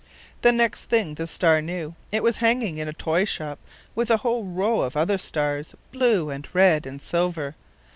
The next thing the star knew it was hanging in a toy shop with a whole row of other stars blue and red and silver.